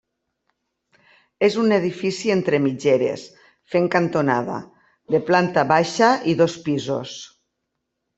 És un edifici entre mitgeres, fent cantonada, de planta baixa i dos pisos.